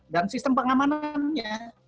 dan sistem pengamanannya